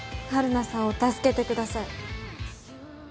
晴汝さんを助けてください。